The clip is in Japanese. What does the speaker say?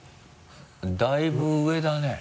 だいぶ上だね。